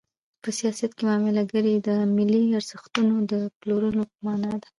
په سیاست کې معامله ګري د ملي ارزښتونو د پلورلو په مانا ده.